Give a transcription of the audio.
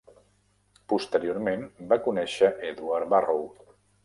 Posteriorment va conèixer Edward Burrough.